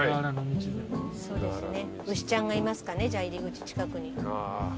牛ちゃんがいますかねじゃあ入り口近くに。